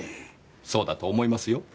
そうだと思いますよ。